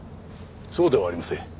そうではありません。